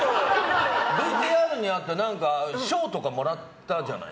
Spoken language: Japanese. ＶＴＲにあった賞とかもらったじゃない？